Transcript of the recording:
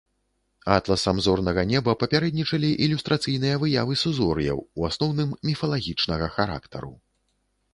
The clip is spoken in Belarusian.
Атласам зорнага неба папярэднічалі ілюстрацыйныя выявы сузор'яў, у асноўным, міфалагічнага характару.